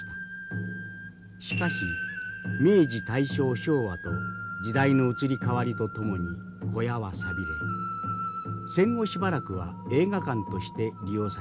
しかし明治大正昭和と時代の移り変わりとともに小屋は寂れ戦後しばらくは映画館として利用されました。